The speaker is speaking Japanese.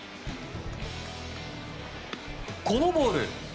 このボール。